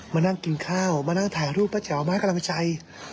มานั่งกินข้าวมานั่งถ่ายรูปป้าแจ๋วมาให้กำลังใจ